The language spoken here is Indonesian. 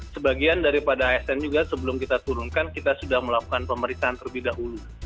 sebagian daripada asn juga sebelum kita turunkan kita sudah melakukan pemeriksaan terlebih dahulu